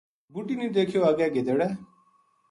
بُڈھی نے دیکھیو اگے گِدڑ ہے